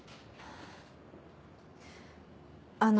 あの。